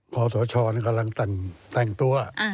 ขอสชกำลังแต่งตัว